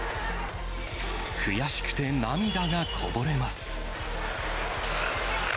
悔しくて涙がこぼれます。